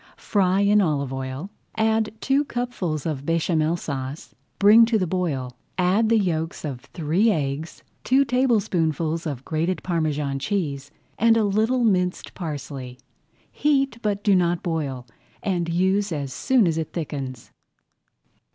Fry in olive oil, add two cupfuls of Béchamel Sauce, bring to the boil, add the yolks of three eggs, two tablespoonfuls of grated Parmesan cheese, and a little minced parsley. Heat, but do not boil, and use as soon as it thickens.